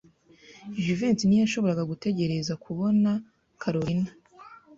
Jivency ntiyashoboraga gutegereza kubona Kalorina.